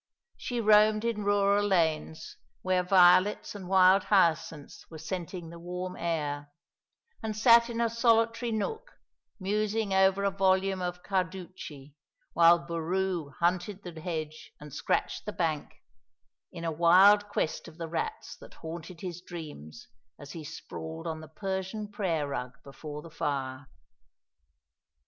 She roamed in rural lanes, where violets and wild hyacinths were scenting the warm air, and sat in a solitary nook, musing over a volume of Carducci, while Boroo hunted the hedge and scratched the bank, in a wild quest of the rats that haunted his dreams as he sprawled on the Persian prayer rug before the fire.